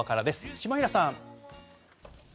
下平さん。